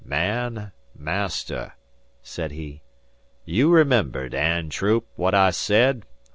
Man master," said he. "You remember, Dan Troop, what I said?